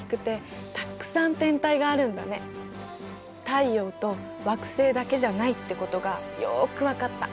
太陽と惑星だけじゃないってことがよく分かった。